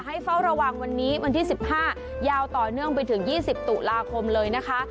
ให้เฝ้าระวังวันนี้วันที่สิบห้ายาวต่อเนื่องไปถึงยี่สิบตุลาคมเลยนะคะ